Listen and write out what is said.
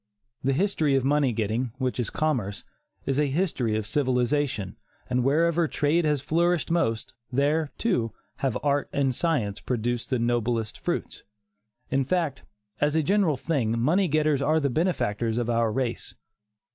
The history of money getting, which is commerce, is a history of civilization, and wherever trade has flourished most, there, too, have art and science produced the noblest fruits. In fact, as a general thing, money getters are the benefactors of our race.